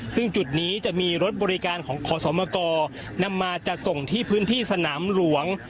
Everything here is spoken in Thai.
ซึ่งจุดนี้จะมีรถบริการของขอสมกนำมาจัดส่งที่พื้นที่สนามหลวง